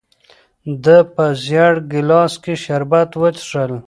ده په زېړ ګیلاس کې شربت وڅښل.